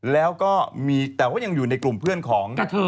แล้วก็มีแต่ว่ายังอยู่ในกลุ่มเพื่อนของเธอ